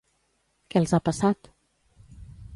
Què els ha passat?